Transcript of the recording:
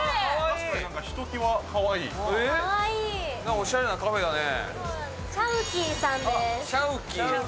おしゃれなカフェだね。